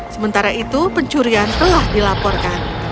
sementara itu pencurian telah dilaporkan